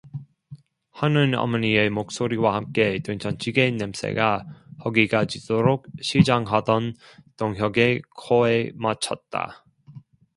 하는 어머니의 목소리와 함께 된장찌개 냄새가 허기가 지도록 시장하던 동혁의 코에 맡혔다.